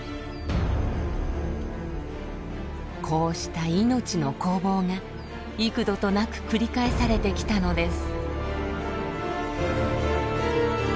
こうした命の攻防が幾度となく繰り返されてきたのです。